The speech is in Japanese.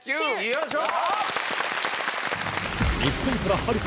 よいしょ！